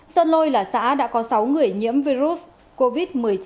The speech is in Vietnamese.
sơn lôi là xã đã có sáu người nhiễm virus covid một mươi chín